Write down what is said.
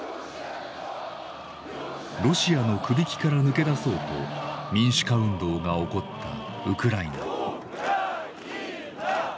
ロシアのくびきから抜け出そうと民主化運動が起こったウクライナ。